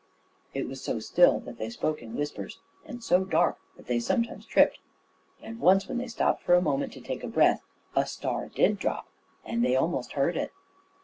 It was so still that they spoke in whispers, and so dark that they sometimes tripped; and once when they stopped for a moment to take breath, a star did drop, and they almost heard it.